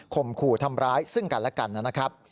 ขู่ทำร้ายซึ่งกันและกันนะครับ